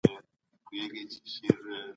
د کارېزونو په پاکولو کي یې څه ونډه لرله؟